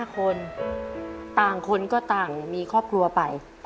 ๕คนต่างคนก็ต่างมีครอบครัวไป